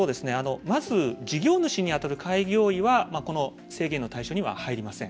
まず事業主に当たる開業医はこの制限の対象には入りません。